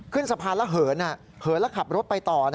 ขึ้นสะพานแล้วเหินแล้วขับรถไปต่อ